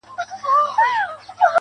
هسې نه ستا آتسي زلفې زما بشر ووهي,